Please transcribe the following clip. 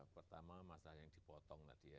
pertama masalah yang dipotong tadi ya